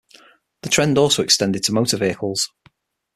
The trend also extended to motor vehicles.